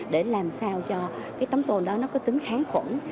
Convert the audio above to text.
để làm sao cho cái tấm tôn đó nó có tính kháng khuẩn